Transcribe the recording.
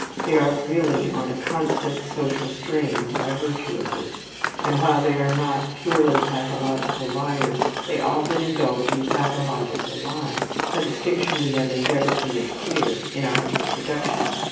They are really on a constant social strain by virtue of this, and while they are not purely pathological liars they often indulge in pathological lying, a distinction we have endeavored to make clear in our introduction.